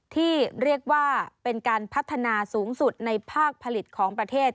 ที่เรียกว่าเป็นการพัฒนาสูงสุดในภาคผลิตของประเทศ